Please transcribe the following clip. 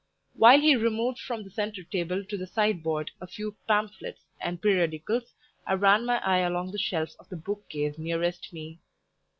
While he removed from the centre table to the side board a few pamphlets and periodicals, I ran my eye along the shelves of the book case nearest me.